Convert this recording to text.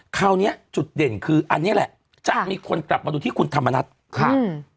ราวเนี้ยจุดเด่นคืออันนี้แหละจะมีคนกลับมาดูที่คุณธรรมนัฐครับ